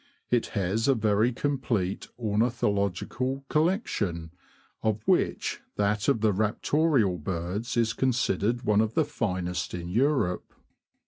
It has a very complete ornithological collection, of which that of the Raptorial birds is considered one of the finest in Europe.